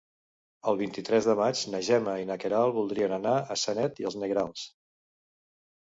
El vint-i-tres de maig na Gemma i na Queralt voldrien anar a Sanet i els Negrals.